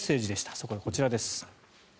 そこで、こちらです。